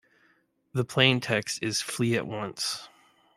The plaintext is "Flee at once".